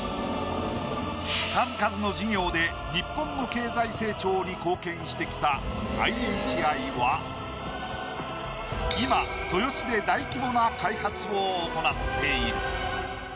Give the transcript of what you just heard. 数々の事業で日本の経済成長に貢献してきたＩＨＩは今豊洲で大規模な開発を行っている。